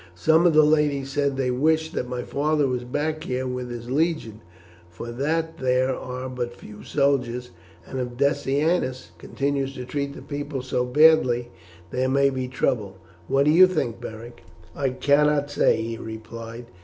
Some of the ladies said they wish that my father was back here with his legion, for that there are but few soldiers, and if Decianus continues to treat the people so badly there may be trouble. What do you think, Beric?" "I cannot say," he replied.